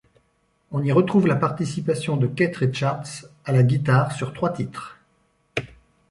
On y retrouve la participation de Keith Richards à la guitare sur trois titres.